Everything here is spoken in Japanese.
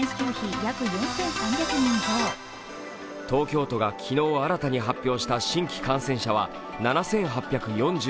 東京都が昨日新たに発表した新規感染者は７８４６人。